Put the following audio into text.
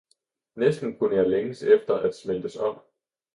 Næsten kunne jeg længes efter at smeltes om!